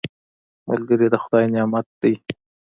ملګری د خدای نعمت دی